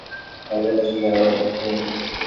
দরজার কাছে গিয়ে আবার ডাকলুম, অমূল্য!